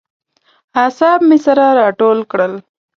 اعصاب مې سره راټول کړل.